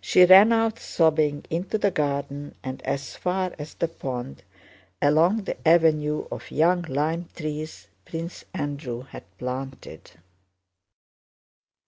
She ran out sobbing into the garden and as far as the pond, along the avenues of young lime trees Prince Andrew had planted.